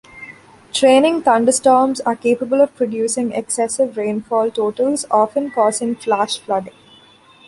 Training thunderstorms are capable of producing excessive rainfall totals, often causing flash flooding.